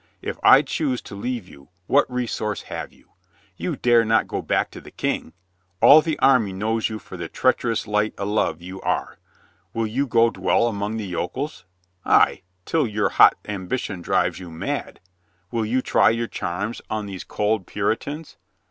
If I choose to leave you, what resource have you? You dare not go back to the King. All the army knows you for the treacherous light o'love you are. Will you go dwell among the yokels ? Ay, till your hot ambition drives you mad. Will you try your charms on these cold Puritans?